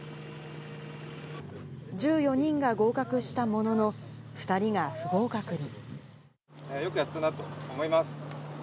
１４人が合格したものの、２人が不合格に。